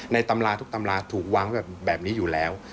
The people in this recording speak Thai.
ตำราทุกตำราถูกวางไว้แบบนี้อยู่แล้ว